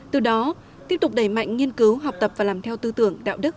từ đó tiếp tục đẩy mạnh nghiên cứu học tập và làm theo tư tưởng đạo đức